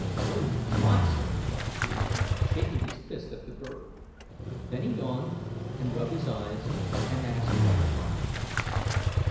"Oh, you monster!" cried Peterkin, shaking his fist at the bird. Then he yawned, and rubbed his eyes, and asked what o'clock it was.